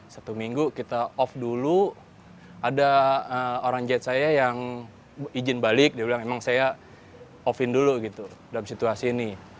satu minggu kita off dulu ada orang jahit saya yang izin balik dia bilang emang saya off in dulu gitu dalam situasi ini